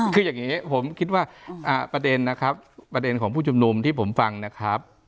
คืออย่างนี้ผมคิดว่าประเด็นนะครับประเด็นของผู้ชุมนุมที่ผมฟังนะครับ